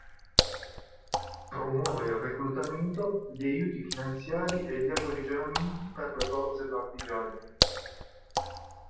Promuove il reclutamento, gli aiuti finanziari e gli approvvigionamenti per le forze partigiane.